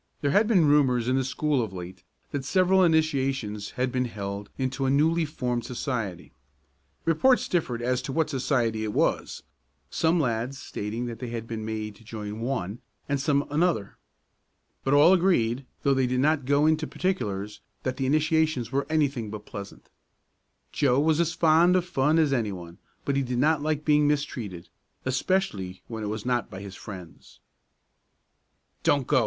There had been rumors in the school of late, that several initiations had been held into a newly formed society. Reports differed as to what society it was, some lads stating that they had been made to join one and some another. But all agreed, though they did not go into particulars, that the initiations were anything but pleasant. Joe was as fond of fun as anyone but he did not like being mistreated especially when it was not by his friends. "Don't go!"